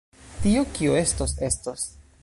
Tio, kio estos, estos.